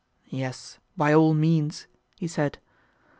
Yes, by all means, he said.